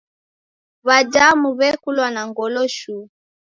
W'adamu w'ekulwa no ngolo shuu!